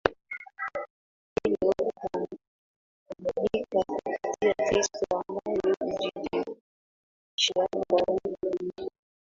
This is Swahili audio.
Hilo hutambulika kupitia Kristo ambaye hujidhihirisha kwa yule mwenye